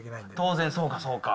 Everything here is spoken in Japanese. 当然そうか、そうか。